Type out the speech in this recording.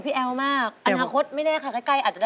ถึงความมากรอเด้ง